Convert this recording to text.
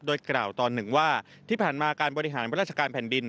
โดยกล่าวตอนหนึ่งว่าที่ผ่านมาการบริหารราชการแผ่นดิน